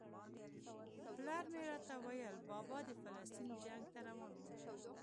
پلار به مې راته ویل بابا دې د فلسطین جنګ ته روان و.